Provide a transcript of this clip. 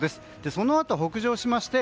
そのあと北上しまして